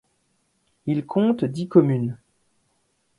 Il compte dix communes.